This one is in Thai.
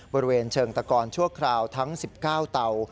บริเวณเชิงตะกอนชั่วคราวทั้ง๑๙เตา